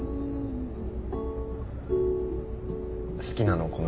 好きなの？